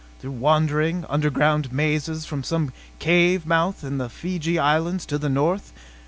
Through wandering underground mazes, from some cave mouth in the Fiji Islands to the north?